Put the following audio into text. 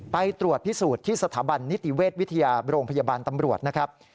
ไปตรวจพิสูจน์ที่สถาบันนิติเวชวิทยาโรงพยาบาลตำรวจนะครับ